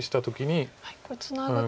これツナぐと。